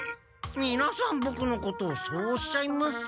みなさんボクのことをそうおっしゃいます。